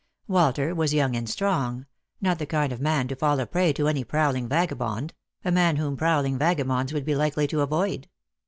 Walter was young and strong — not the kind of man to fall a prey to any prowling vagabond — a man whom prowling vagabonds would be likely to avoid.